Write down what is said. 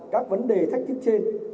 các vấn đề thách thức trên